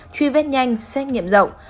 truy vết nhanh xét nghiệm rộng